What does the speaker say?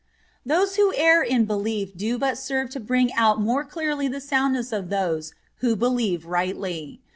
"Those who err in belief do but serve to bring out more clearly the soundness of those who believe rightly.